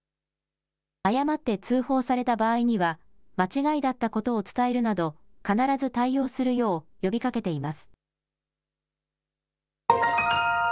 誤って通報された場合には、間違いだったことを伝えるなど、必ず対応するよう、呼びかけています。